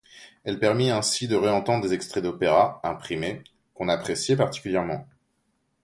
Elle permit ainsi de réentendre des extraits d'opéras, imprimés, qu'on appréciait particulièrement.